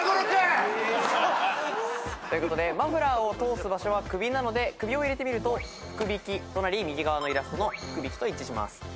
ということでマフラーを通す場所は首なので「くび」を入れてみると「ふくびき」となり右側のイラストの「ふくびき」と一致します。